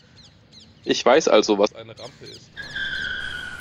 Ich weiß also, was eine Rampe ist.